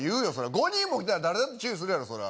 ５人も来たら誰だって注意するやろそりゃ